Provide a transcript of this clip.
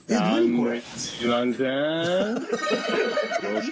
これ。